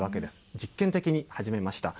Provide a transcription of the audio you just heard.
実験的に始めました。